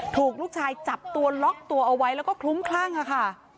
ถูกลูกชายจับตัวล็อกตัวเอาไว้แล้วก็คลุ้มคลั่งค่ะ